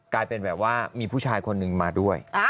กลายเป็นแบบว่ามีผู้ชายคนนึงมาด้วย